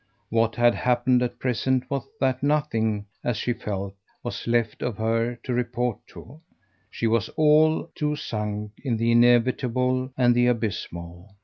What had happened at present was that nothing, as she felt, was left of her to report to; she was all too sunk in the inevitable and the abysmal.